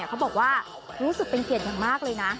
เขาบอกว่ารู้สึกเป็นเกียรติอย่างมากเลยนะ